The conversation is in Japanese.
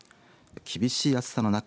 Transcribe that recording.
厳しい暑さの中